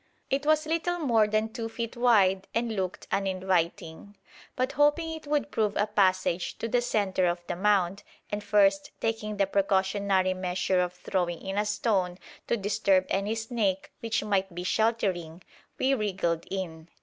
It was little more than two feet wide, and looked uninviting. But hoping it would prove a passage to the centre of the mound, and first taking the precautionary measure of throwing in a stone to disturb any snake which might be sheltering, we wriggled in.